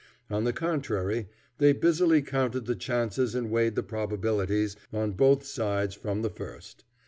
On the contrary, they busily counted the chances and weighed the probabilities on both sides from the first.